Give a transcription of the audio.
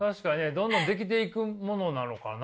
どんどん出来ていくものなのかな。